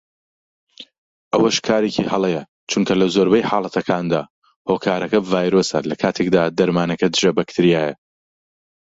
ئەوەش کارێکی هەڵەیە چونکە لە زۆربەی حاڵەتەکاندا هۆکارەکە ڤایرۆسە لەکاتێکدا دەرمانەکە دژە بەکتریایە